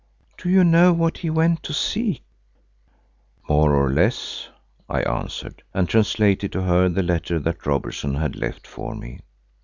Do you know what he went to seek?" "More or less," I answered and translated to her the letter that Robertson had left for me.